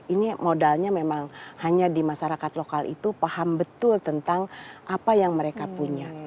ini modalnya memang hanya di masyarakat lokal itu paham betul tentang apa yang mereka punya